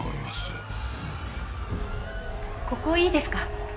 ここいいですか？